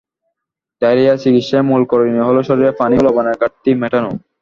Diarrhoea চিকিৎসায় মূল করণীয় হলো শরীরের পানি ও লবণের ঘাটতি মেটানো।